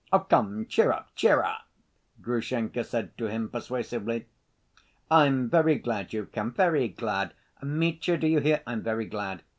Come, cheer up, cheer up!" Grushenka said to him persuasively. "I'm very glad you've come, very glad, Mitya, do you hear, I'm very glad!